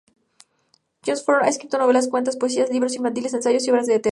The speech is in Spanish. Jon Fosse ha escrito novelas, cuentos, poesía, libros infantiles, ensayos y obras de teatro.